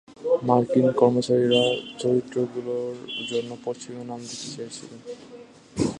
মার্কিন কর্মচারীরা চরিত্রগুলোর জন্য পশ্চিমা নাম দিতে চেয়েছিল।